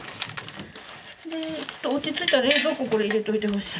でちょっと落ち着いたら冷蔵庫これ入れといてほしい。